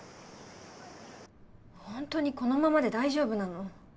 本当にこのままで大丈夫なの？